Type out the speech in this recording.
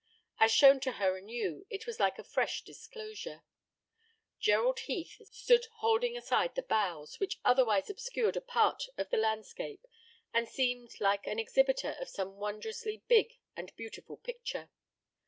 As shown to her anew, it was like a fresh disclosure. Gerald Heath stood holding aside the boughs, which otherwise obscured a part of the landscape, and seemed like an exhibitor of some wondrously big and beautiful picture.